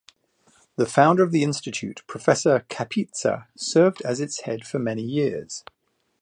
The founder of the Institute, Professor Kapitsa served as its head for many years.